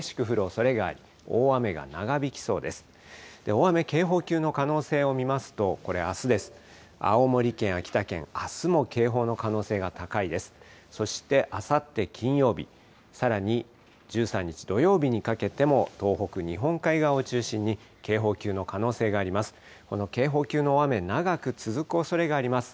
そしてあさって金曜日、さらに１３日土曜日にかけても、東北日本海側を中心に、警報級の可能性があります。